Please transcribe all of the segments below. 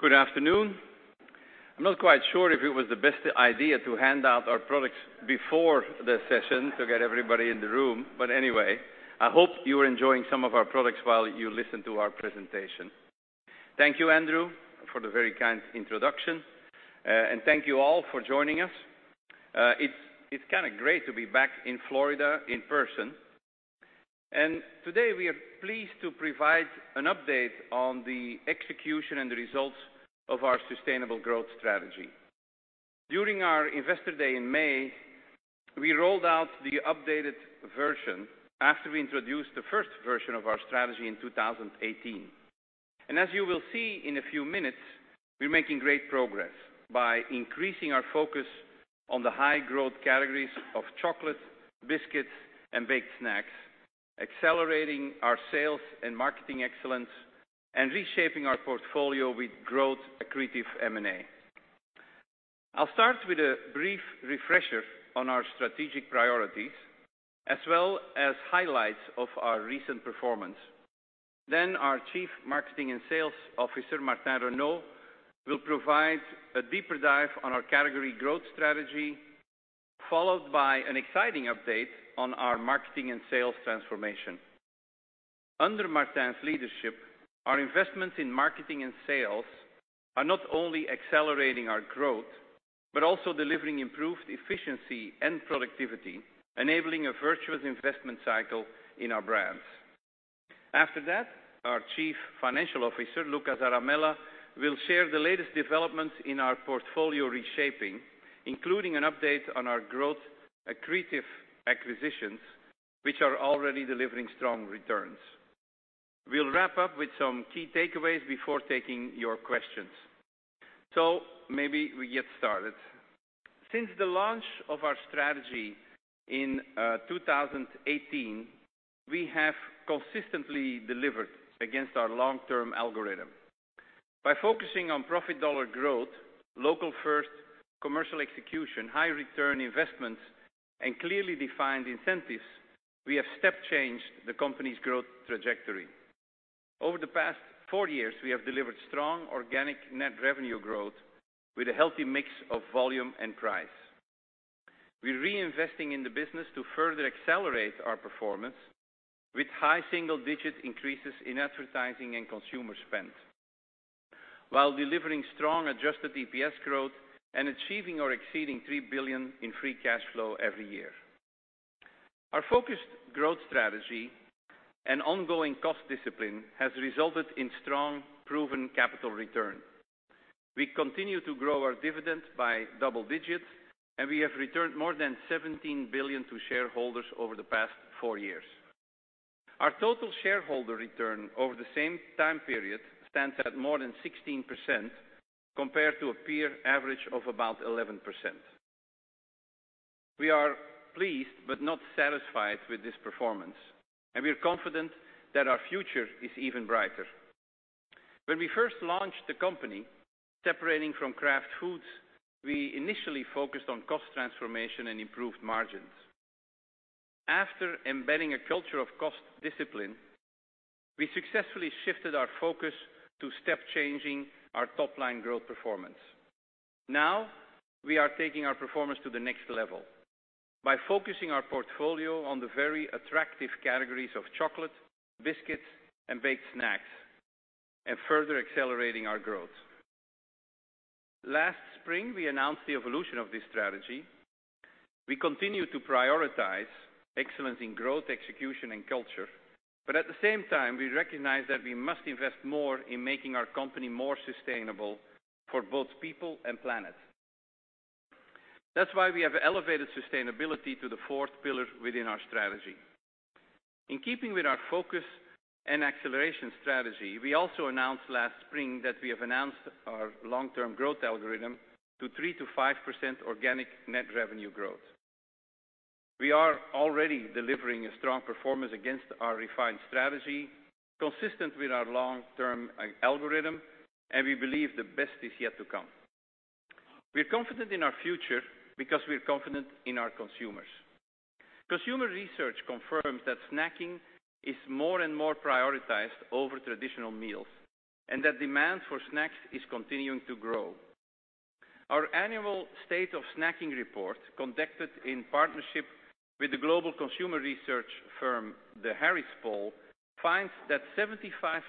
Good afternoon. I'm not quite sure if it was the best idea to hand out our products before the session to get everybody in the room, but anyway, I hope you are enjoying some of our products while you listen to our presentation. Thank you, Andrew, for the very kind introduction, and thank you all for joining us. It's kinda great to be back in Florida in person. Today, we are pleased to provide an update on the execution and the results of our sustainable growth strategy. During our Investor Day in May, we rolled out the updated version after we introduced the first version of our strategy in 2018. As you will see in a few minutes, we're making great progress by increasing our focus on the high growth categories of chocolate, biscuits, and baked snacks, accelerating our sales and marketing excellence, and reshaping our portfolio with growth accretive M&A. I'll start with a brief refresher on our strategic priorities as well as highlights of our recent performance. Our Chief Marketing and Sales Officer Martin Renaud will provide a deeper dive on our category growth strategy, followed by an exciting update on our marketing and sales transformation. Under Martin's leadership, our investments in marketing and sales are not only accelerating our growth, but also delivering improved efficiency and productivity, enabling a virtuous investment cycle in our brands. After that, our Chief Financial Officer, Luca Zaramella, will share the latest developments in our portfolio reshaping, including an update on our growth accretive acquisitions, which are already delivering strong returns. We'll wrap up with some key takeaways before taking your questions. Maybe we get started. Since the launch of our strategy in 2018, we have consistently delivered against our long-term algorithm. By focusing on profit dollar growth, local first commercial execution, high return investments, and clearly defined incentives, we have step changed the company's growth trajectory. Over the past four years, we have delivered strong organic net revenue growth with a healthy mix of volume and price. We're reinvesting in the business to further accelerate our performance with high single-digit increases in advertising and consumer spend while delivering strong adjusted EPS growth and achieving or exceeding $3 billion in free cash flow every year. Our focused growth strategy and ongoing cost discipline has resulted in strong, proven capital return. We continue to grow our dividends by double digits, and we have returned more than $17 billion to shareholders over the past four years. Our total shareholder return over the same time period stands at more than 16% compared to a peer average of about 11%. We are pleased but not satisfied with this performance, and we are confident that our future is even brighter. When we first launched the company, separating from Kraft Foods, we initially focused on cost transformation and improved margins. After embedding a culture of cost discipline, we successfully shifted our focus to step changing our top-line growth performance. Now, we are taking our performance to the next level by focusing our portfolio on the very attractive categories of chocolate, biscuits, and baked snacks and further accelerating our growth. Last spring, we announced the evolution of this strategy. We continue to prioritize excellence in growth, execution, and culture. At the same time, we recognize that we must invest more in making our company more sustainable for both people and planet. That's why we have elevated sustainability to the fourth pillar within our strategy. In keeping with our focus and acceleration strategy, we also announced last spring that we have enhanced our long-term growth algorithm to 3%-5% organic net revenue growth. We are already delivering a strong performance against our refined strategy, consistent with our long-term algorithm. We believe the best is yet to come. We're confident in our future because we're confident in our consumers. Consumer research confirms that snacking is more and more prioritized over traditional meals. That demand for snacks is continuing to grow. Our annual State of Snacking Report, conducted in partnership with the global consumer research firm, The Harris Poll, finds that 75%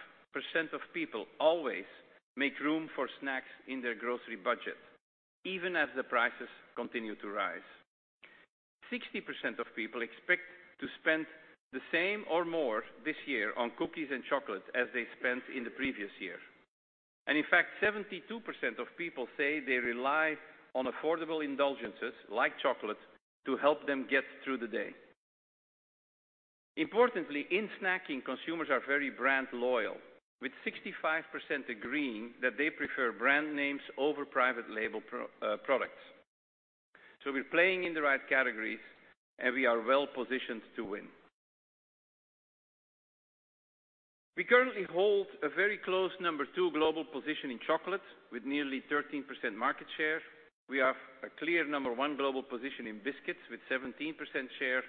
of people always make room for snacks in their grocery budget, even as the prices continue to rise. 60% of people expect to spend the same or more this year on cookies and chocolate as they spent in the previous year. In fact, 72% of people say they rely on affordable indulgences, like chocolate, to help them get through the day. Importantly, in snacking, consumers are very brand loyal, with 65% agreeing that they prefer brand names over private label products. We're playing in the right categories, and we are well-positioned to win. We currently hold a very close number 2 global position in chocolate with nearly 13% market share. We have a clear number one global position in biscuits with 17% share.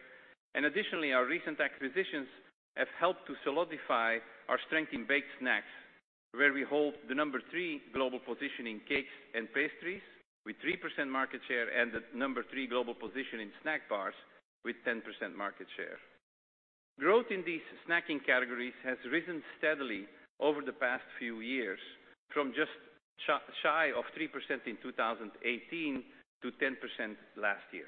Additionally, our recent acquisitions have helped to solidify our strength in baked snacks, where we hold the number three global position in cakes and pastries with 3% market share and the number three global position in snack bars with 10% market share. Growth in these snacking categories has risen steadily over the past few years from just shy of 3% in 2018 to 10% last year.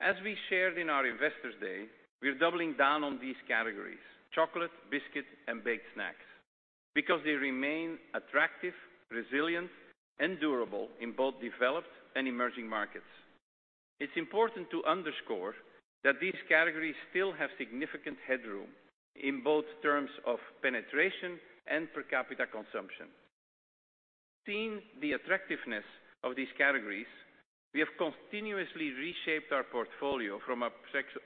As we shared in our Investors Day, we're doubling down on these categories, chocolate, biscuit, and baked snacks, because they remain attractive, resilient, and durable in both developed and emerging markets. It's important to underscore that these categories still have significant headroom in both terms of penetration and per capita consumption. Seeing the attractiveness of these categories, we have continuously reshaped our portfolio from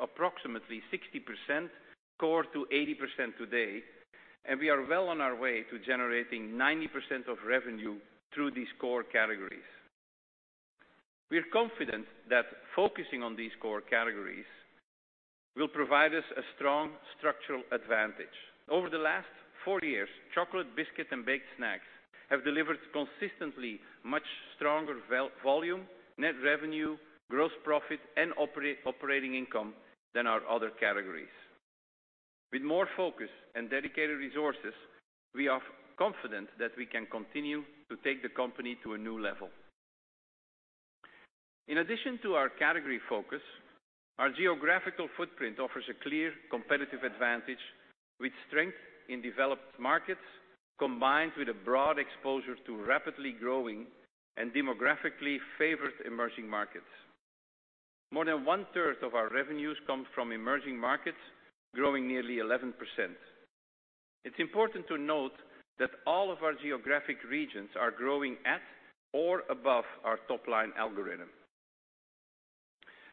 approximately 60% core to 80% today. We are well on our way to generating 90% of revenue through these core categories. We are confident that focusing on these core categories will provide us a strong structural advantage. Over the last four years, chocolate, biscuit, and baked snacks have delivered consistently much stronger volume, net revenue, gross profit, and operating income than our other categories. With more focus and dedicated resources, we are confident that we can continue to take the company to a new level. In addition to our category focus, our geographical footprint offers a clear competitive advantage with strength in developed markets, combined with a broad exposure to rapidly growing and demographically favored emerging markets. More than one-third of our revenues come from emerging markets, growing nearly 11%. It's important to note that all of our geographic regions are growing at or above our top-line algorithm.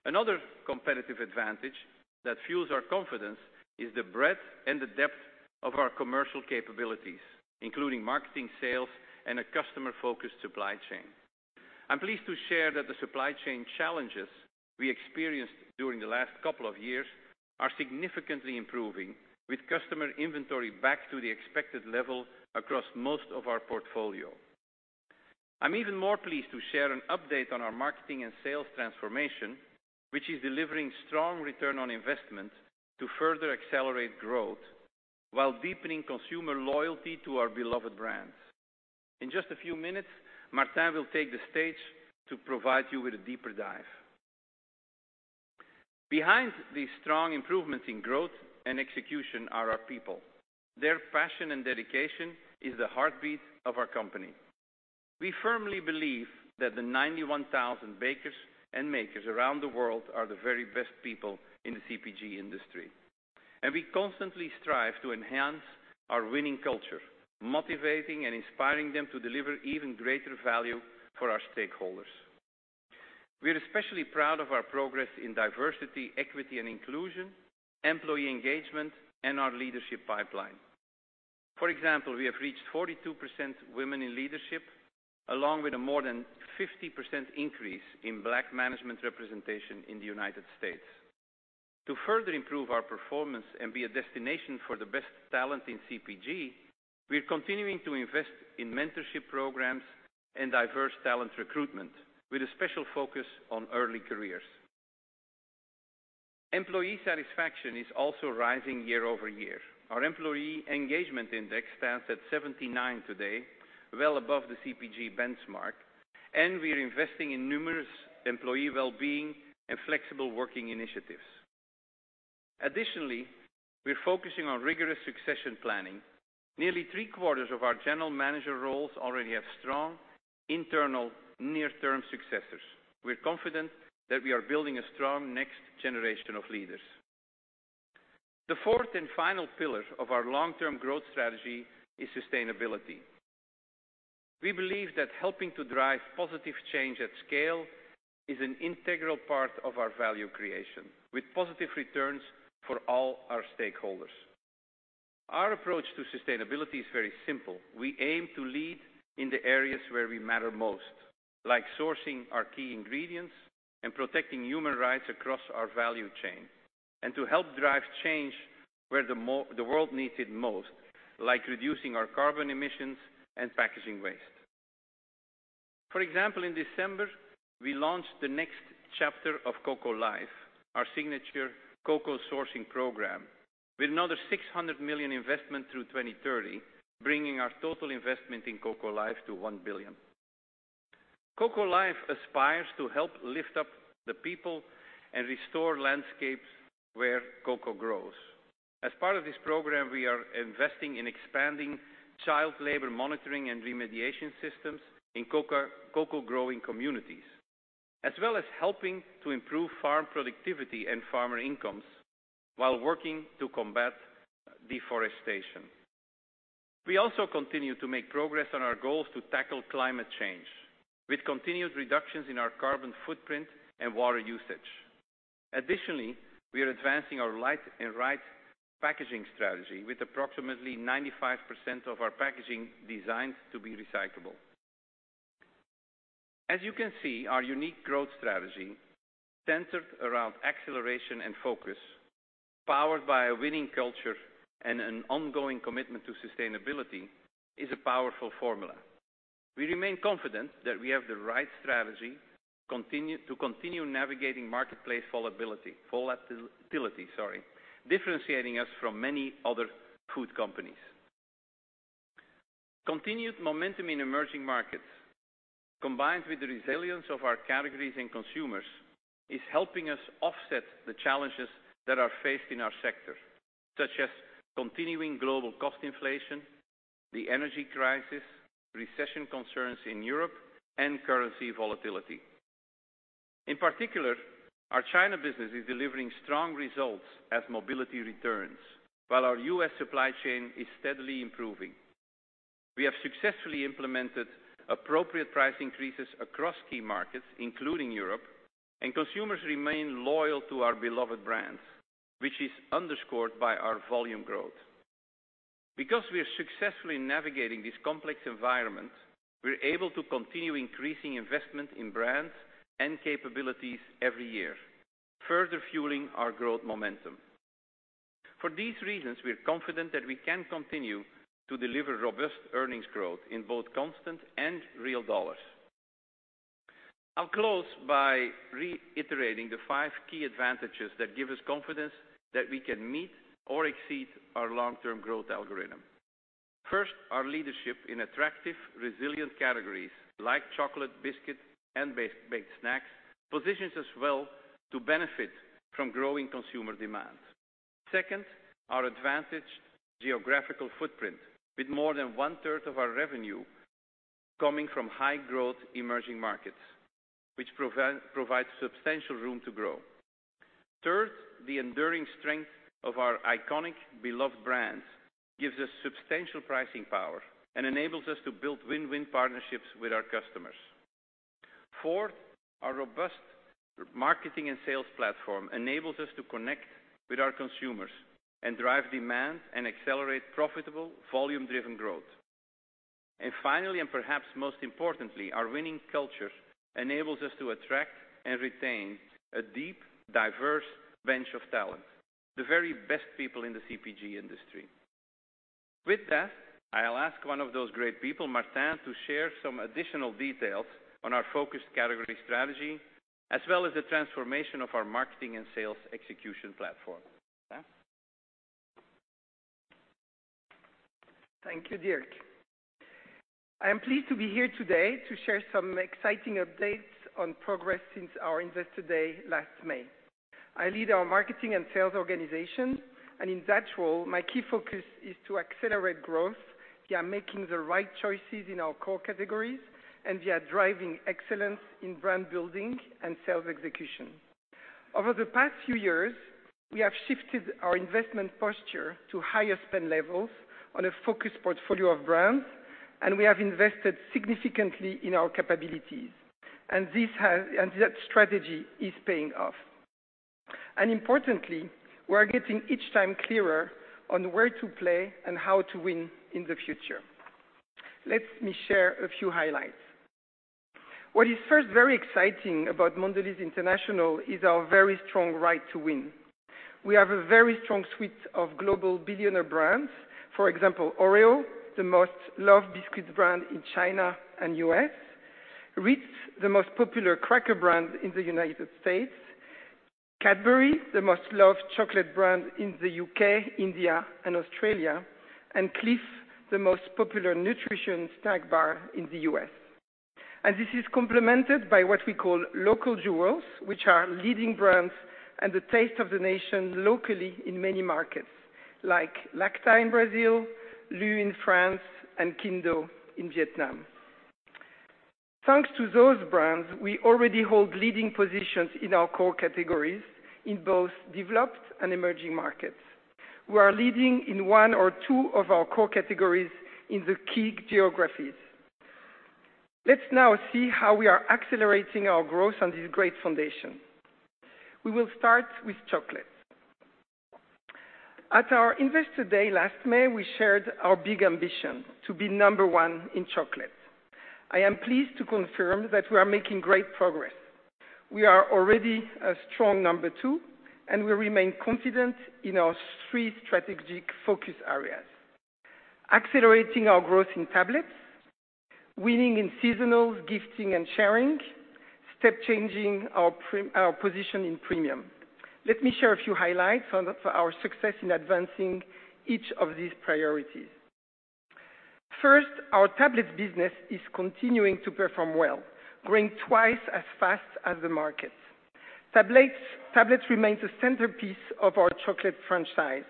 Another competitive advantage that fuels our confidence is the breadth and the depth of our commercial capabilities, including marketing, sales, and a customer-focused supply chain. I'm pleased to share that the supply chain challenges we experienced during the last couple of years are significantly improving with customer inventory back to the expected level across most of our portfolio. I'm even more pleased to share an update on our marketing and sales transformation, which is delivering strong ROI to further accelerate growth while deepening consumer loyalty to our beloved brands. In just a few minutes, Martin will take the stage to provide you with a deeper dive. Behind these strong improvements in growth and execution are our people. Their passion and dedication is the heartbeat of our company. We firmly believe that the 91,000 bakers and makers around the world are the very best people in the CPG industry. We constantly strive to enhance our winning culture, motivating and inspiring them to deliver even greater value for our stakeholders. We are especially proud of our progress in diversity, equity, and inclusion, employee engagement, and our leadership pipeline. For example, we have reached 42% women in leadership, along with a more than 50% increase in Black management representation in the United States. To further improve our performance and be a destination for the best talent in CPG, we are continuing to invest in mentorship programs and diverse talent recruitment with a special focus on early careers. Employee satisfaction is also rising year-over-year. Our employee engagement index stands at 79 today, well above the CPG benchmark, and we are investing in numerous employee well-being and flexible working initiatives. Additionally, we're focusing on rigorous succession planning. Nearly three-quarters of our general manager roles already have strong internal near-term successors. We're confident that we are building a strong next generation of leaders. The fourth and final pillar of our long-term growth strategy is sustainability. We believe that helping to drive positive change at scale is an integral part of our value creation, with positive returns for all our stakeholders. Our approach to sustainability is very simple. We aim to lead in the areas where we matter most, like sourcing our key ingredients and protecting human rights across our value chain, and to help drive change where the world needs it most, like reducing our carbon emissions and packaging waste. For example, in December, we launched the next chapter of Cocoa Life, our signature cocoa sourcing program, with another $600 million investment through 2030, bringing our total investment in Cocoa Life to $1 billion. Cocoa Life aspires to help lift up the people and restore landscapes where cocoa grows. As part of this program, we are investing in expanding child labor monitoring and remediation systems in cocoa-growing communities, as well as helping to improve farm productivity and farmer incomes while working to combat deforestation. We also continue to make progress on our goals to tackle climate change with continued reductions in our carbon footprint and water usage. Additionally, we are advancing our Light & Right packaging strategy with approximately 95% of our packaging designed to be recyclable. You can see, our unique growth strategy centered around acceleration and focus, powered by a winning culture and an ongoing commitment to sustainability is a powerful formula. We remain confident that we have the right strategy to continue navigating marketplace volatility, sorry, differentiating us from many other food companies. Continued momentum in emerging markets, combined with the resilience of our categories and consumers, is helping us offset the challenges that are faced in our sector, such as continuing global cost inflation, the energy crisis, recession concerns in Europe, and currency volatility. In particular, our China business is delivering strong results as mobility returns, while our U.S. supply chain is steadily improving. We have successfully implemented appropriate price increases across key markets, including Europe, and consumers remain loyal to our beloved brands, which is underscored by our volume growth. Because we are successfully navigating this complex environment, we're able to continue increasing investment in brands and capabilities every year, further fueling our growth momentum. For these reasons, we are confident that we can continue to deliver robust earnings growth in both constant and real dollars. I'll close by reiterating the 5 key advantages that give us confidence that we can meet or exceed our long-term growth algorithm. First, our leadership in attractive, resilient categories like chocolate, biscuit, and baked snacks positions us well to benefit from growing consumer demands. Second, our advantaged geographical footprint with more than 1/3 of our revenue coming from high-growth emerging markets, which provides substantial room to grow. Third, the enduring strength of our iconic beloved brands gives us substantial pricing power and enables us to build win-win partnerships with our customers. Fourth, our robust marketing and sales platform enables us to connect with our consumers and drive demand and accelerate profitable volume-driven growth. Finally, and perhaps most importantly, our winning culture enables us to attract and retain a deep, diverse bench of talent, the very best people in the CPG industry. With that, I'll ask one of those great people, Martin, to share some additional details on our focused category strategy, as well as the transformation of our marketing and sales execution platform. Martin? Thank you, Dirk. I am pleased to be here today to share some exciting updates on progress since our Investor Day last May. I lead our marketing and sales organization, and in that role, my key focus is to accelerate growth via making the right choices in our core categories and via driving excellence in brand building and sales execution. Over the past few years, we have shifted our investment posture to higher spend levels on a focused portfolio of brands, and we have invested significantly in our capabilities. That strategy is paying off. Importantly, we are getting each time clearer on where to play and how to win in the future. Let me share a few highlights. What is first very exciting about Mondelēz International is our very strong right to win. We have a very strong suite of global billionaire brands. For example, Oreo, the most loved biscuits brand in China and U.S. Ritz, the most popular cracker brand in the United States. Cadbury, the most loved chocolate brand in the U.K., India and Australia. CLIF, the most popular nutrition snack bar in the U.S. This is complemented by what we call local jewels, which are leading brands and the taste of the nation locally in many markets, like Lacta in Brazil, LU in France, and Kinh Do in Vietnam. Thanks to those brands, we already hold leading positions in our core categories in both developed and emerging markets. We are leading in one or two of our core categories in the key geographies. Let's now see how we are accelerating our growth on this great foundation. We will start with chocolate. At our Investor Day last May, we shared our big ambition to be number one in chocolate. I am pleased to confirm that we are making great progress. We are already a strong number 2. We remain confident in our 3 strategic focus areas, accelerating our growth in tablets, winning in seasonals, gifting, and sharing, step changing our position in premium. Let me share a few highlights for our success in advancing each of these priorities. First, our tablets business is continuing to perform well, growing 2 times as fast as the market. Tablets remains the centerpiece of our chocolate franchise.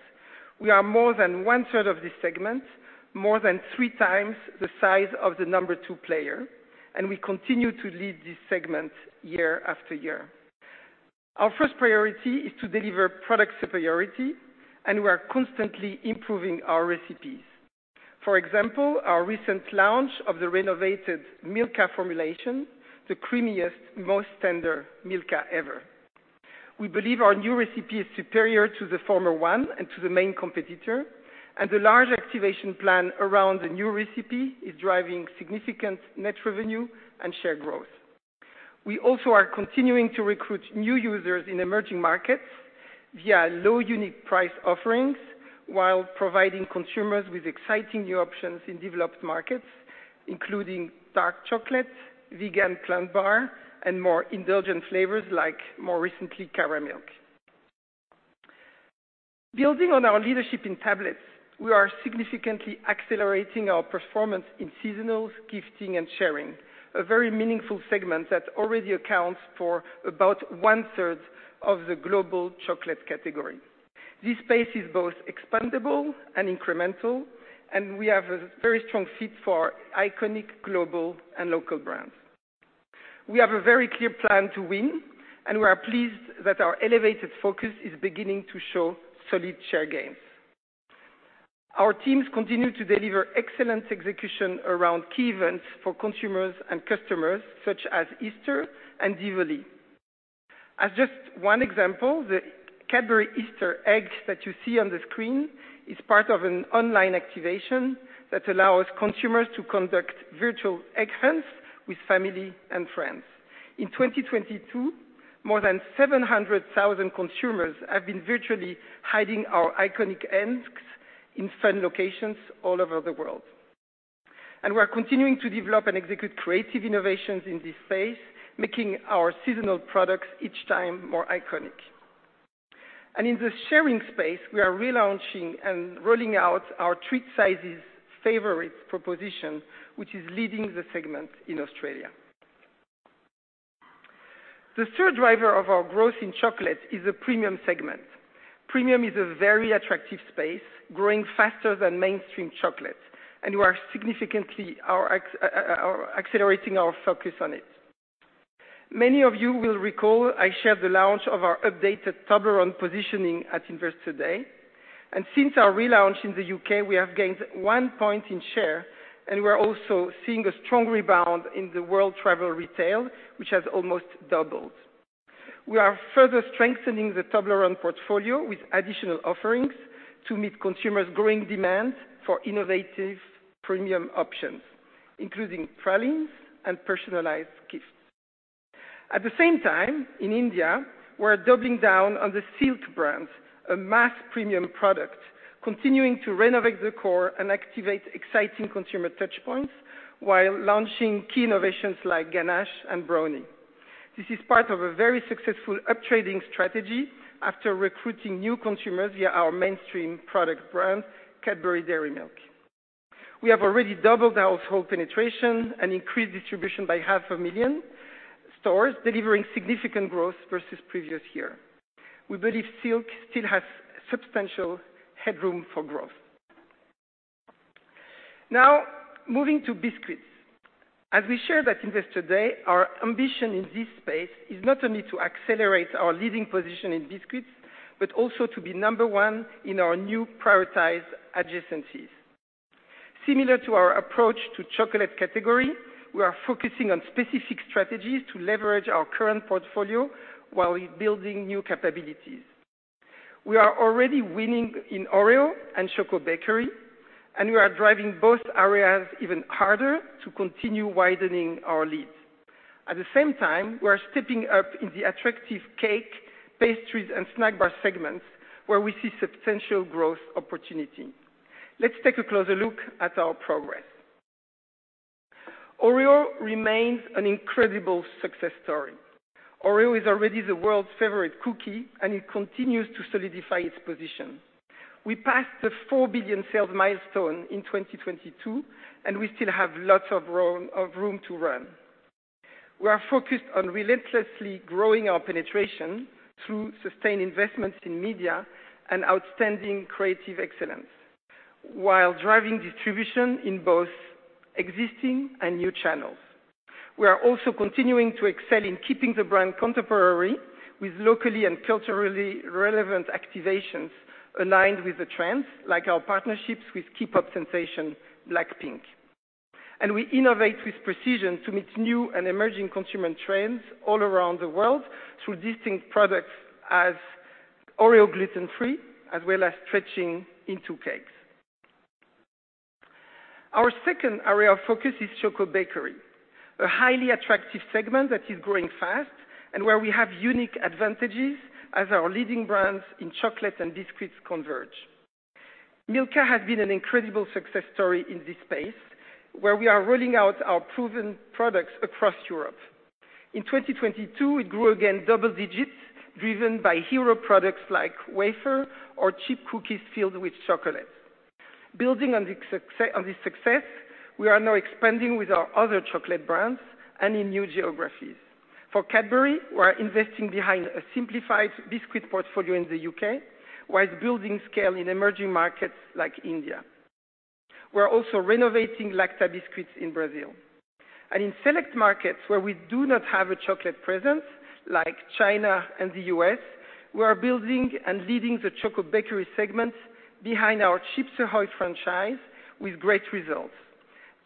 We are more than 1/3 of this segment, more than 3 times the size of the number 2 player. We continue to lead this segment year after year. Our first priority is to deliver product superiority. We are constantly improving our recipes. For example, our recent launch of the renovated Milka formulation, the creamiest, most tender Milka ever. We believe our new recipe is superior to the former one and to the main competitor, and the large activation plan around the new recipe is driving significant net revenue and share growth. We also are continuing to recruit new users in emerging markets via low unique price offerings while providing consumers with exciting new options in developed markets, including dark chocolate, vegan plant bar, and more indulgent flavors like more recently, caramel. Building on our leadership in tablets, we are significantly accelerating our performance in seasonals, gifting, and sharing, a very meaningful segment that already accounts for about 1/3 of the global chocolate category. This space is both expandable and incremental, and we have a very strong fit for iconic global and local brands. We have a very clear plan to win, and we are pleased that our elevated focus is beginning to show solid share gains. Our teams continue to deliver excellent execution around key events for consumers and customers such as Easter and Diwali. As just one example, the Cadbury Easter egg that you see on the screen is part of an online activation that allows consumers to conduct virtual egg hunts with family and friends. In 2022, more than 700,000 consumers have been virtually hiding our iconic eggs in fun locations all over the world. We are continuing to develop and execute creative innovations in this space, making our seasonal products each time more iconic. In the sharing space, we are relaunching and rolling out our treat sizes favorites proposition, which is leading the segment in Australia. The third driver of our growth in chocolate is a premium segment. Premium is a very attractive space, growing faster than mainstream chocolate, and we are significantly accelerating our focus on it. Many of you will recall, I shared the launch of our updated Toblerone positioning at Investor Day. Since our relaunch in the UK, we have gained one point in share, and we're also seeing a strong rebound in the world travel retail, which has almost doubled. We are further strengthening the Toblerone portfolio with additional offerings to meet consumers' growing demand for innovative premium options, including pralines and personalized gifts. At the same time, in India, we're doubling down on the Silk brand, a mass premium product, continuing to renovate the core and activate exciting consumer touchpoints while launching key innovations like ganache and brownie. This is part of a very successful up-trading strategy after recruiting new consumers via our mainstream product brand, Cadbury Dairy Milk. We have already doubled the household penetration and increased distribution by half a million stores, delivering significant growth versus previous year. We believe Silk still has substantial headroom for growth. Moving to biscuits. As we shared at Investor Day, our ambition in this space is not only to accelerate our leading position in biscuits, but also to be number one in our new prioritized adjacencies. Similar to our approach to chocolate category, we are focusing on specific strategies to leverage our current portfolio while building new capabilities. We are already winning in Oreo and Chocobakery, and we are driving both areas even harder to continue widening our lead. At the same time, we are stepping up in the attractive cake, pastries, and snack bar segments where we see substantial growth opportunity. Let's take a closer look at our progress. Oreo remains an incredible success story. Oreo is already the world's favorite cookie. It continues to solidify its position. We passed the $4 billion sales milestone in 2022. We still have lots of room to run. We are focused on relentlessly growing our penetration through sustained investments in media and outstanding creative excellence while driving distribution in both existing and new channels. We are also continuing to excel in keeping the brand contemporary with locally and culturally relevant activations aligned with the trends, like our partnerships with K-pop sensation BLACKPINK. We innovate with precision to meet new and emerging consumer trends all around the world through distinct products as Oreo Gluten Free, as well as stretching into cakes. Our second area of focus is Chocobakery, a highly attractive segment that is growing fast and where we have unique advantages as our leading brands in chocolate and biscuits converge. Milka has been an incredible success story in this space, where we are rolling out our proven products across Europe. In 2022, it grew again double digits, driven by hero products like wafer or chip cookies filled with chocolate. Building on this success, we are now expanding with our other chocolate brands and in new geographies. For Cadbury, we're investing behind a simplified biscuit portfolio in the U.K., whilst building scale in emerging markets like India. We're also renovating Lacta biscuits in Brazil. In select markets where we do not have a chocolate presence, like China and the U.S., we are building and leading the Choco Bakery segment behind our Chips Ahoy! franchise with great results.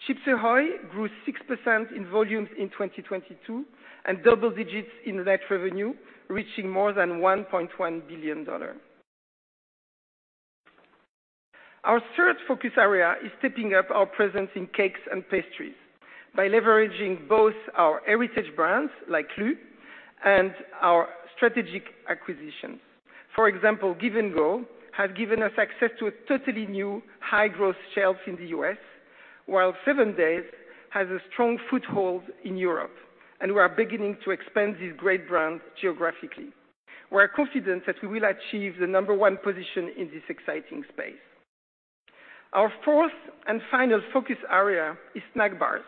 Chips Ahoy grew 6% in volumes in 2022, and double digits in net revenue, reaching more than $1.1 billion. Our third focus area is stepping up our presence in cakes and pastries by leveraging both our heritage brands, like LU, and our strategic acquisitions. For example, Give & Go has given us access to a totally new high-growth shelf in the U.S., while 7DAYS has a strong foothold in Europe, and we are beginning to expand these great brands geographically. We're confident that we will achieve the number one position in this exciting space. Our fourth and final focus area is snack bars,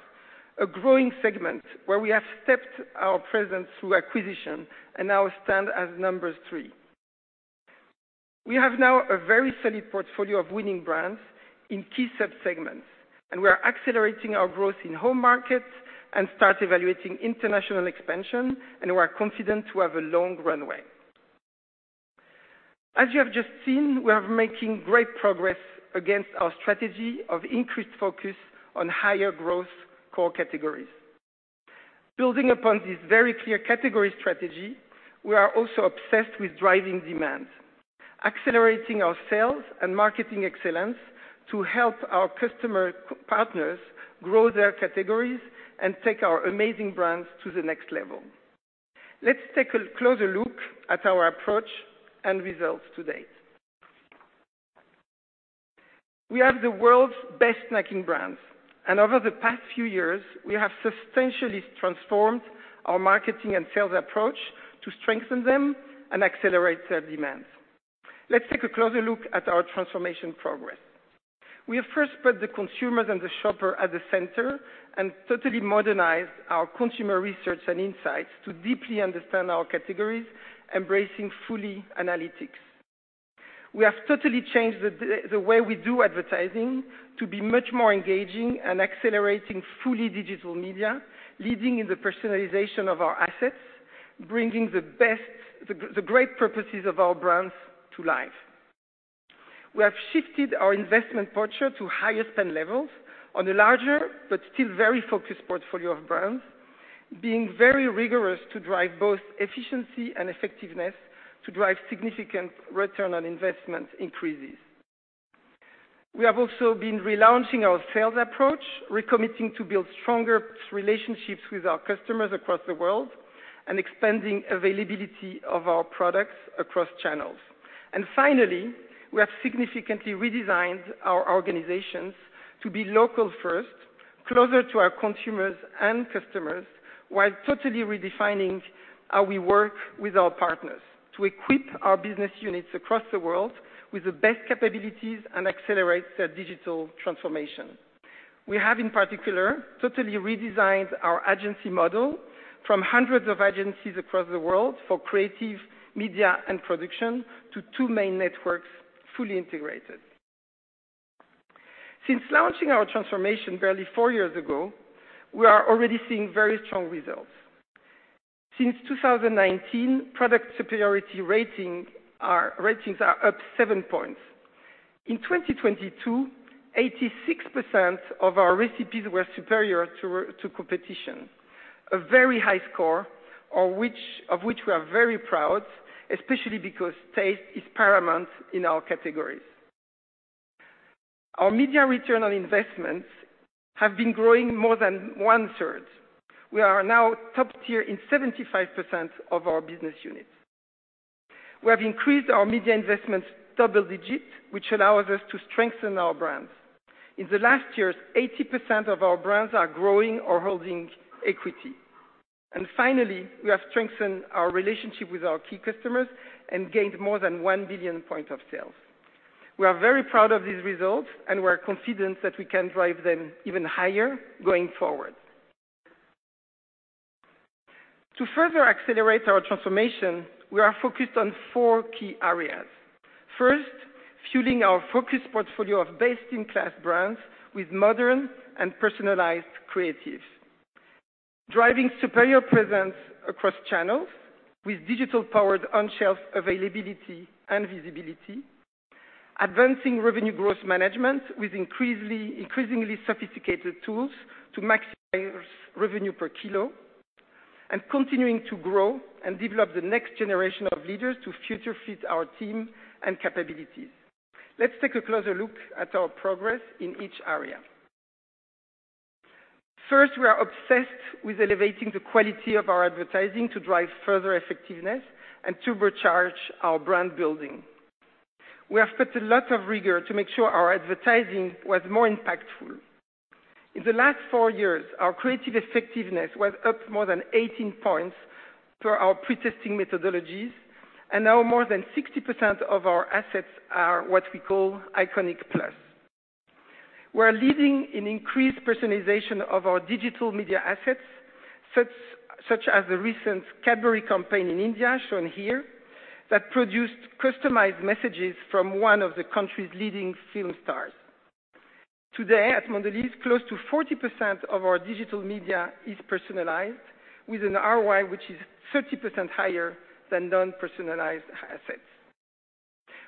a growing segment where we have stepped our presence through acquisition and now stand as number three. We have now a very solid portfolio of winning brands in key sub-segments, and we are accelerating our growth in home markets and start evaluating international expansion, and we are confident to have a long runway. As you have just seen, we are making great progress against our strategy of increased focus on higher growth core categories. Building upon this very clear category strategy, we are also obsessed with driving demand, accelerating our sales and marketing excellence to help our customer partners grow their categories and take our amazing brands to the next level. Let's take a closer look at our approach and results to date. We have the world's best snacking brands. Over the past few years, we have substantially transformed our marketing and sales approach to strengthen them and accelerate their demands. Let's take a closer look at our transformation progress. We have first put the consumers and the shopper at the center and totally modernized our consumer research and insights to deeply understand our categories, embracing fully analytics. We have totally changed the way we do advertising to be much more engaging and accelerating fully digital media, leading in the personalization of our assets, bringing the great purposes of our brands to life. We have shifted our investment posture to higher spend levels on a larger but still very focused portfolio of brands, being very rigorous to drive both efficiency and effectiveness to drive significant return on investment increases. We have also been relaunching our sales approach, recommitting to build stronger relationships with our customers across the world, and expanding availability of our products across channels. Finally, we have significantly redesigned our organizations to be local first, closer to our consumers and customers, while totally redefining how we work with our partners to equip our business units across the world with the best capabilities and accelerate their digital transformation. We have, in particular, totally redesigned our agency model from hundreds of agencies across the world for creative, media, and production to 2 main networks, fully integrated. Since launching our transformation barely 4 years ago, we are already seeing very strong results. Since 2019, product superiority ratings are up 7 points. In 2022, 86% of our recipes were superior to competition, a very high score, of which we are very proud, especially because taste is paramount in our categories. Our media return on investments have been growing more than one-third. We are now top tier in 75% of our business units. We have increased our media investments double digits, which allows us to strengthen our brands. In the last years, 80% of our brands are growing or holding equity. Finally, we have strengthened our relationship with our key customers and gained more than $1 billion point of sales. We are very proud of these results, and we are confident that we can drive them even higher going forward. To further accelerate our transformation, we are focused on four key areas. First, fueling our focused portfolio of best-in-class brands with modern and personalized creatives. Driving superior presence across channels with digital-powered on-shelf availability and visibility. Advancing revenue growth management with increasingly sophisticated tools to maximize revenue per kilo. Continuing to grow and develop the next generation of leaders to future-fit our team and capabilities. Let's take a closer look at our progress in each area. First, we are obsessed with elevating the quality of our advertising to drive further effectiveness and turbocharge our brand building. We have put a lot of rigor to make sure our advertising was more impactful. In the last four years, our creative effectiveness was up more than 18 points through our pre-testing methodologies, and now more than 60% of our assets are what we call Iconic Plus. We are leading an increased personalization of our digital media assets, such as the recent Cadbury campaign in India, shown here, that produced customized messages from one of the country's leading film stars. Today at Mondelēz, close to 40% of our digital media is personalized with an ROI which is 30% higher than non-personalized assets.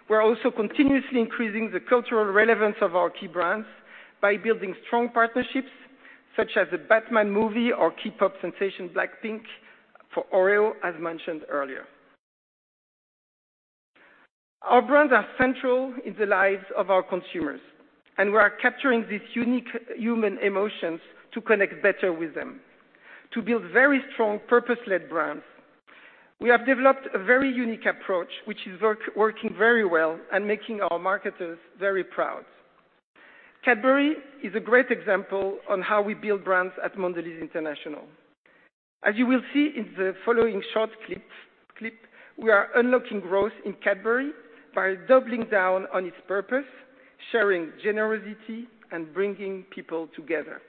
We're also continuously increasing the cultural relevance of our key brands by building strong partnerships such as the Batman movie or key pop sensation Blackpink for Oreo, as mentioned earlier. Our brands are central in the lives of our consumers, and we are capturing these unique human emotions to connect better with them. To build very strong purpose-led brands, we have developed a very unique approach, which is working very well and making our marketers very proud. Cadbury is a great example on how we build brands at Mondelēz International. As you will see in the following short clip, we are unlocking growth in Cadbury by doubling down on its purpose, sharing generosity, and bringing people together.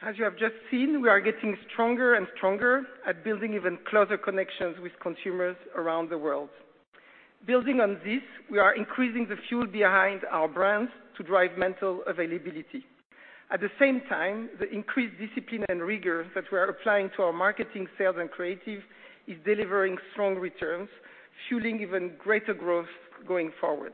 As you have just seen, we are getting stronger and stronger at building even closer connections with consumers around the world. Building on this, we are increasing the fuel behind our brands to drive mental availability. At the same time, the increased discipline and rigor that we are applying to our marketing, sales, and creative is delivering strong returns, fueling even greater growth going forward.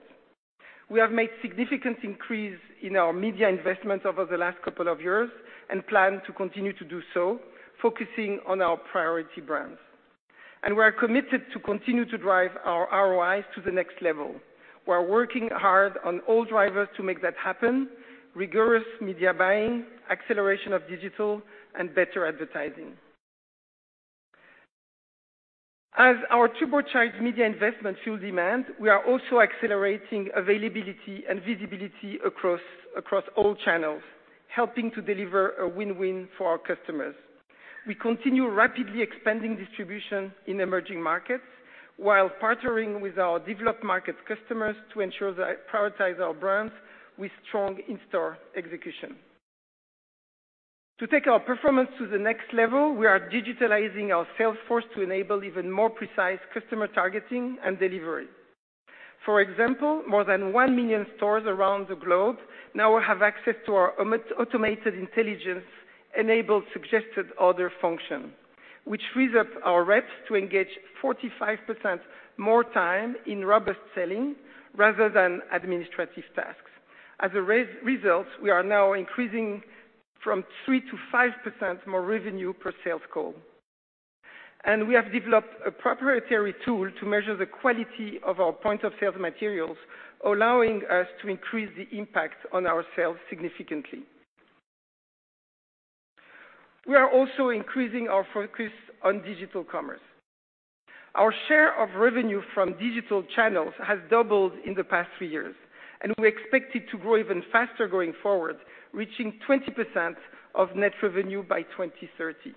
We have made significant increase in our media investment over the last couple of years and plan to continue to do so, focusing on our priority brands. We are committed to continue to drive our ROIs to the next level. We are working hard on all drivers to make that happen, rigorous media buying, acceleration of digital, and better advertising. As our turbocharged media investment fuel demand, we are also accelerating availability and visibility across all channels, helping to deliver a win-win for our customers. We continue rapidly expanding distribution in emerging markets while partnering with our developed market customers to ensure that prioritize our brands with strong in-store execution. To take our performance to the next level, we are digitalizing our sales force to enable even more precise customer targeting and delivery. For example, more than 1 million stores around the globe now have access to our automated intelligence-enabled suggested order function, which frees up our reps to engage 45% more time in robust selling rather than administrative tasks. As a result, we are now increasing from 3% to 5% more revenue per sales call. We have developed a proprietary tool to measure the quality of our point of sale materials, allowing us to increase the impact on our sales significantly. We are also increasing our focus on digital commerce. Our share of revenue from digital channels has doubled in the past three years, and we expect it to grow even faster going forward, reaching 20% of net revenue by 2030.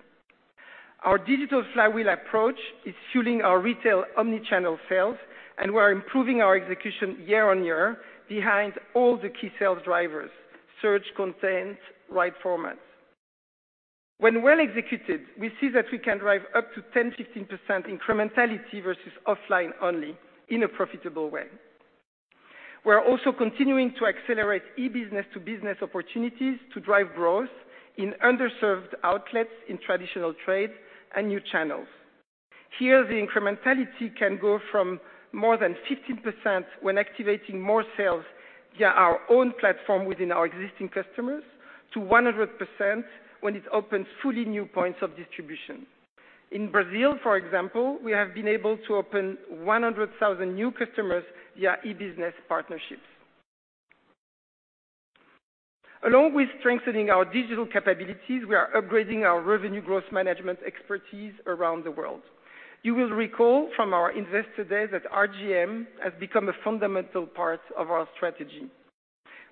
Our digital flywheel approach is fueling our retail omni-channel sales, and we are improving our execution year-over-year behind all the key sales drivers: search content, right format. When well executed, we see that we can drive up to 10-15% incrementality versus offline only in a profitable way. We're also continuing to accelerate e-business-to-business opportunities to drive growth in underserved outlets in traditional trade and new channels. Here, the incrementality can go from more than 15% when activating more sales via our own platform within our existing customers to 100% when it opens fully new points of distribution. In Brazil, for example, we have been able to open 100,000 new customers via e-business partnerships. With strengthening our digital capabilities, we are upgrading our revenue growth management expertise around the world. You will recall from our Investor Day that RGM has become a fundamental part of our strategy.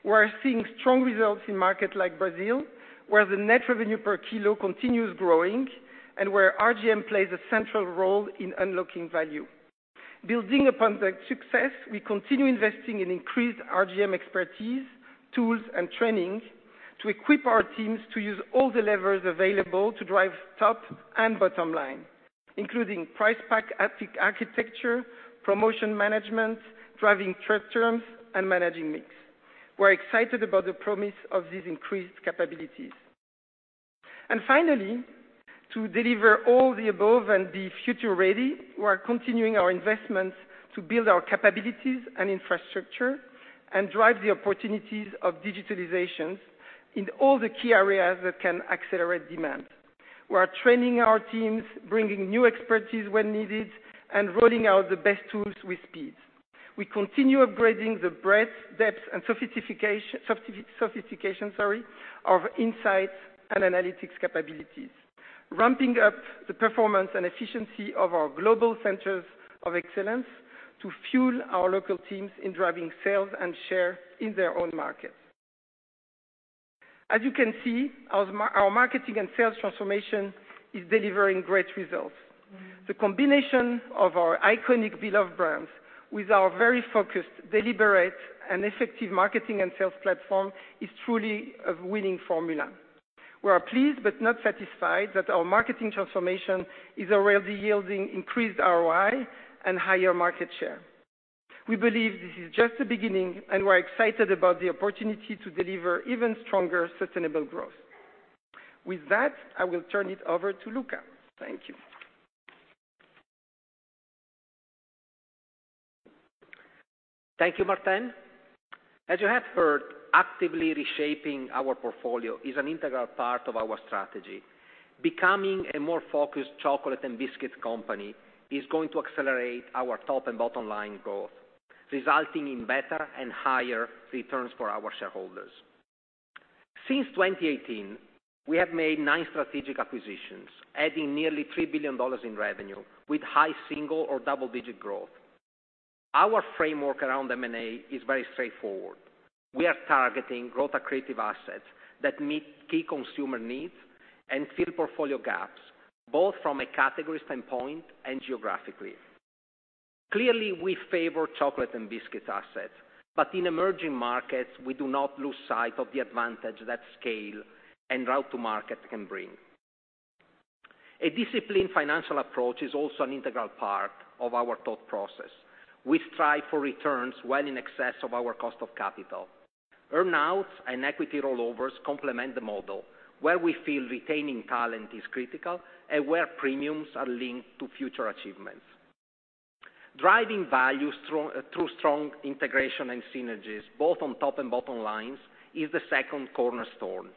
We are seeing strong results in markets like Brazil, where the net revenue per kilo continues growing and where RGM plays a central role in unlocking value. Building upon that success, we continue investing in increased RGM expertise, tools, and training to equip our teams to use all the levers available to drive top and bottom line, including price pack architecture, promotion management, driving trade terms, and managing mix. We're excited about the promise of these increased capabilities. Finally, to deliver all the above and be future-ready, we are continuing our investments to build our capabilities and infrastructure and drive the opportunities of digitalizations in all the key areas that can accelerate demand. We are training our teams, bringing new expertise when needed, and rolling out the best tools with speed. We continue upgrading the breadth, depth, and sophistication of insights and analytics capabilities, ramping up the performance and efficiency of our global centers of excellence to fuel our local teams in driving sales and share in their own markets. As you can see, our marketing and sales transformation is delivering great results. The combination of our iconic beloved brands with our very focused, deliberate, and effective marketing and sales platform is truly a winning formula. We are pleased but not satisfied that our marketing transformation is already yielding increased ROI and higher market share. We believe this is just the beginning, and we're excited about the opportunity to deliver even stronger sustainable growth. With that, I will turn it over to Luca. Thank you. Thank you, Martin. As you have heard, actively reshaping our portfolio is an integral part of our strategy. Becoming a more focused chocolate and biscuit company is going to accelerate our top and bottom line growth, resulting in better and higher returns for our shareholders. Since 2018, we have made nine strategic acquisitions, adding nearly $3 billion in revenue with high single or double-digit growth. Our framework around M&A is very straightforward. We are targeting growth accretive assets that meet key consumer needs and fill portfolio gaps, both from a category standpoint and geographically. Clearly, we favor chocolate and biscuit assets, but in emerging markets, we do not lose sight of the advantage that scale and route to market can bring. A disciplined financial approach is also an integral part of our thought process. We strive for returns well in excess of our cost of capital. Earn-outs and equity rollovers complement the model where we feel retaining talent is critical and where premiums are linked to future achievements. Driving value through strong integration and synergies both on top and bottom lines is the second cornerstone.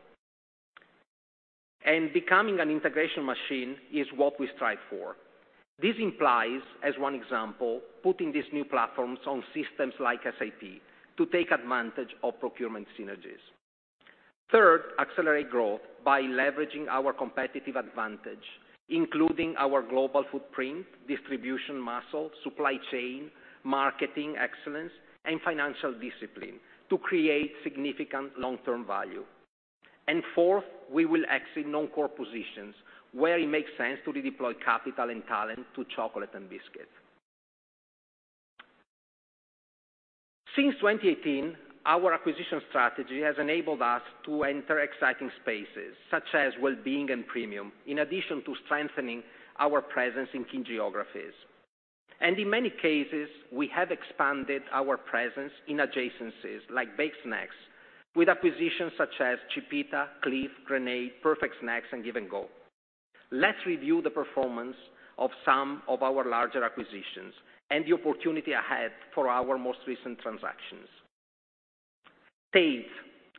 Becoming an integration machine is what we strive for. This implies, as one example, putting these new platforms on systems like SAP to take advantage of procurement synergies. Third, accelerate growth by leveraging our competitive advantage, including our global footprint, distribution muscle, supply chain, marketing excellence, and financial discipline to create significant long-term value. Fourth, we will exit non-core positions where it makes sense to redeploy capital and talent to chocolate and biscuits. Since 2018, our acquisition strategy has enabled us to enter exciting spaces such as well-being and premium, in addition to strengthening our presence in key geographies. In many cases, we have expanded our presence in adjacencies like baked snacks with acquisitions such as Chipita, CLIF, Grenade, Perfect Snacks, and Give & Go. Let's review the performance of some of our larger acquisitions and the opportunity ahead for our most recent transactions. Tate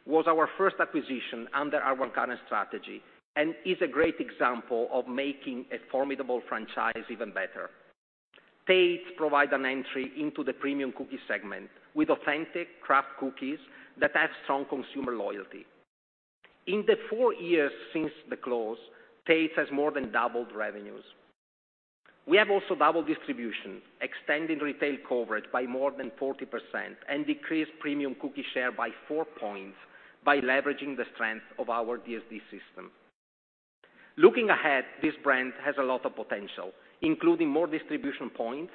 was our first acquisition under our current strategy and is a great example of making a formidable franchise even better. Tate provide an entry into the premium cookie segment with authentic craft cookies that have strong consumer loyalty. In the 4 years since the close, Tate has more than doubled revenues. We have also doubled distribution, extending retail coverage by more than 40% and decreased premium cookie share by 4 points by leveraging the strength of our DSD system. Looking ahead, this brand has a lot of potential, including more distribution points,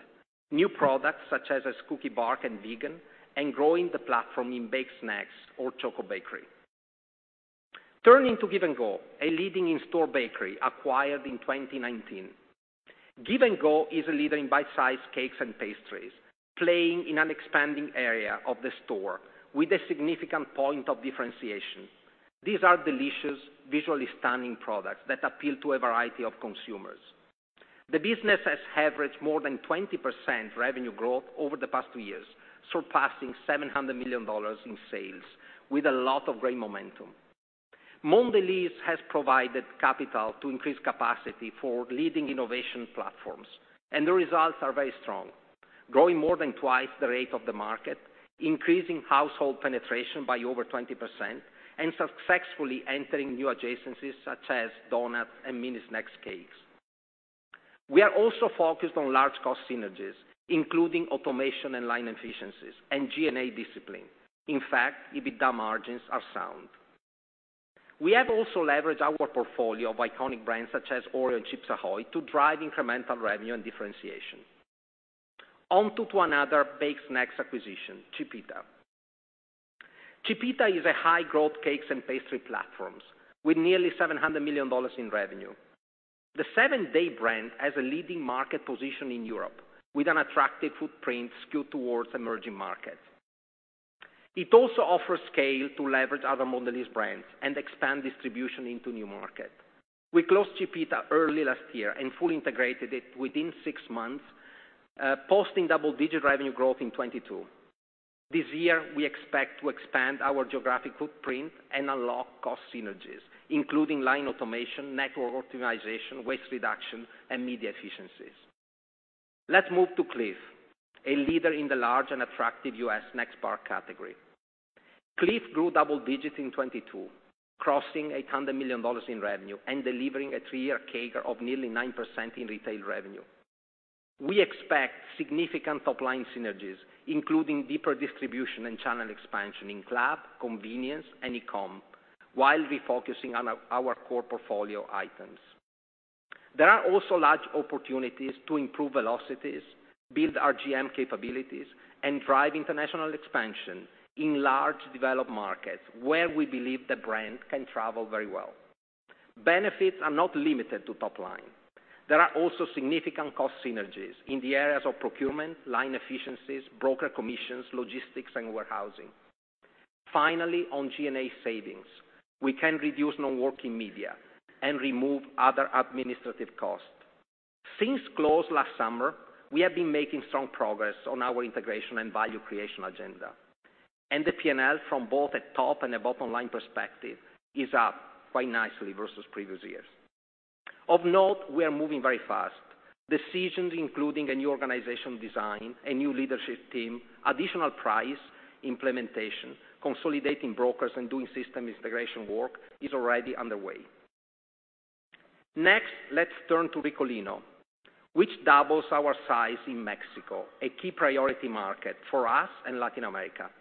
new products such as Cookie Bark and vegan, and growing the platform in baked snacks or Chocobakery. Turning to Give & Go, a leading in-store bakery acquired in 2019. Give & Go is a leader in bite-sized cakes and pastries, playing in an expanding area of the store with a significant point of differentiation. These are delicious, visually stunning products that appeal to a variety of consumers. The business has averaged more than 20% revenue growth over the past two years, surpassing $700 million in sales with a lot of great momentum. Mondelēz has provided capital to increase capacity for leading innovation platforms, and the results are very strong. Growing more than twice the rate of the market, increasing household penetration by over 20%, successfully entering new adjacencies, such as donuts and mini snacks cakes. We are also focused on large cost synergies, including automation and line efficiencies and G&A discipline. In fact, EBITDA margins are sound. We have also leveraged our portfolio of iconic brands such as Oreo and Chips Ahoy! to drive incremental revenue and differentiation. On to another baked snacks acquisition, Chipita. Chipita is a high growth cakes and pastry platforms with nearly $700 million in revenue. The 7DAYS brand has a leading market position in Europe with an attractive footprint skewed towards emerging markets. It also offers scale to leverage other Mondelēz brands and expand distribution into new market. We closed Chipita early last year and fully integrated it within six months, posting double-digit revenue growth in 2022. This year we expect to expand our geographic footprint and unlock cost synergies, including line automation, network optimization, waste reduction, and media efficiencies. Let's move to CLIF, a leader in the large and attractive U.S. snack bar category. CLIF grew double digits in 2022, crossing $800 million in revenue and delivering a three-year CAGR of nearly 9% in retail revenue. We expect significant top-line synergies, including deeper distribution and channel expansion in club, convenience, and e-com, while refocusing on our core portfolio items. There are also large opportunities to improve velocities, build RGM capabilities, and drive international expansion in large developed markets where we believe the brand can travel very well. Benefits are not limited to top line. There are also significant cost synergies in the areas of procurement, line efficiencies, broker commissions, logistics, and warehousing. Finally, on G&A savings, we can reduce non-working media and remove other administrative costs. Since close last summer, we have been making strong progress on our integration and value creation agenda. The P&L from both a top and a bottom-line perspective is up quite nicely versus previous years. Of note, we are moving very fast. Decisions including a new organization design, a new leadership team, additional price implementation, consolidating brokers, and doing system integration work is already underway. Next, let's turn to Ricolino, which doubles our size in Mexico, a key priority market for us and Latin America.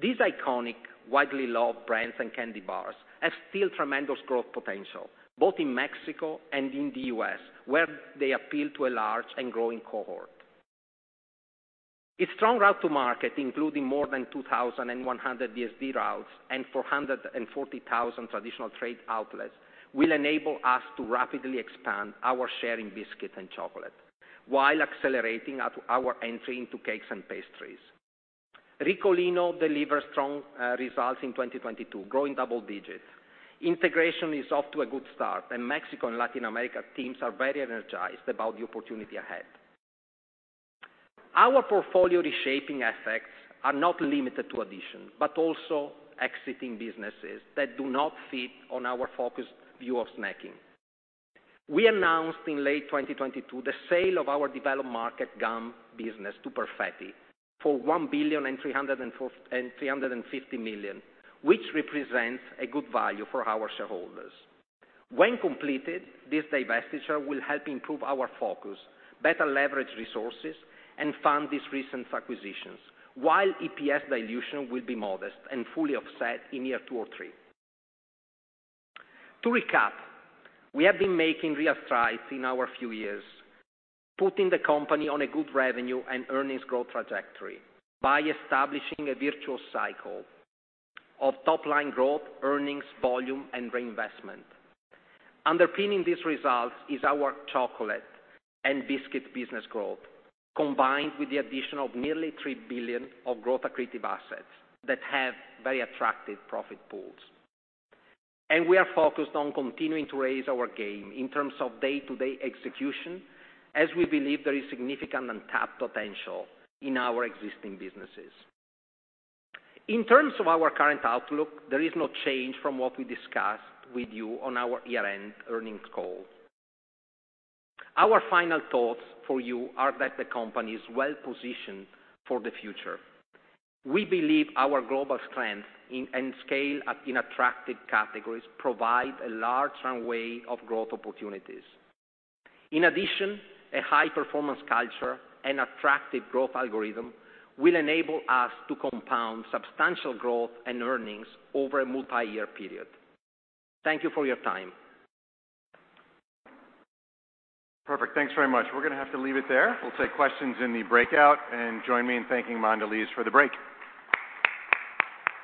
These iconic, widely loved brands and candy bars has still tremendous growth potential, both in Mexico and in the U.S., where they appeal to a large and growing cohort. A strong route to market, including more than 2,100 DSD routes and 440,000 traditional trade outlets, will enable us to rapidly expand our share in biscuits and chocolate while accelerating our entry into cakes and pastries. Ricolino delivered strong results in 2022, growing double digits. Integration is off to a good start, and Mexico and Latin America teams are very energized about the opportunity ahead. Our portfolio reshaping effects are not limited to addition, but also exiting businesses that do not fit on our focused view of snacking. We announced in late 2022 the sale of our developed market gum business to Perfetti for $1.35 billion, which represents a good value for our shareholders. When completed, this divestiture will help improve our focus, better leverage resources, and fund these recent acquisitions, while EPS dilution will be modest and fully offset in year two or three. We have been making real strides in our few years, putting the company on a good revenue and earnings growth trajectory by establishing a virtual cycle of top-line growth, earnings, volume, and reinvestment. Underpinning these results is our chocolate and biscuit business growth, combined with the addition of nearly $3 billion of growth accretive assets that have very attractive profit pools. We are focused on continuing to raise our game in terms of day-to-day execution, as we believe there is significant untapped potential in our existing businesses. In terms of our current outlook, there is no change from what we discussed with you on our year-end earnings call. Our final thoughts for you are that the company is well positioned for the future. We believe our global strength in attractive categories provide a large runway of growth opportunities. A high-performance culture and attractive growth algorithm will enable us to compound substantial growth and earnings over a multi-year period. Thank you for your time. Perfect. Thanks very much. We're gonna have to leave it there. We'll take questions in the breakout and join me in thanking Mondelēz for the break.